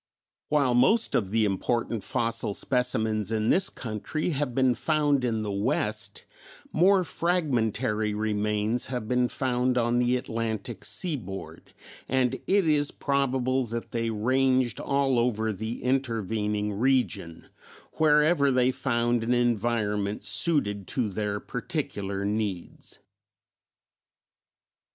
While most of the important fossil specimens in this country have been found in the West, more fragmentary remains have been found on the Atlantic sea board, and it is probable that they ranged all over the intervening region, wherever they found an environment suited to their particular needs.